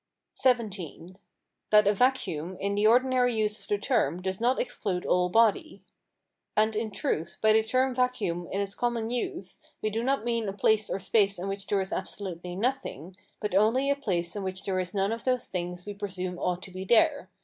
XVII. That a vacuum in the ordinary use of the term does not exclude all body. And, in truth, by the term vacuum in its common use, we do not mean a place or space in which there is absolutely nothing, but only a place in which there is none of those things we presume ought to be there.